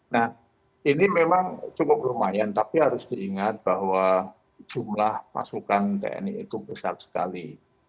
nah ini memang cukup lumayan tapi harus diingat bahwa jumlah pasukan tni itu besar sekali